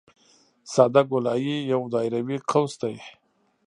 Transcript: ساده ګولایي یو دایروي قوس دی